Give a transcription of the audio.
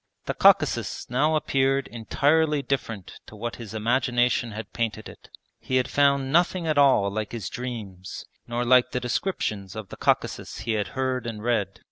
The Caucasus now appeared entirely different to what his imagination had painted it. He had found nothing at all like his dreams, nor like the descriptions of the Caucasus he had heard and read.